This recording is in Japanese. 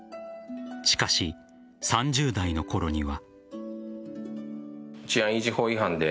しかし、３０代のころには。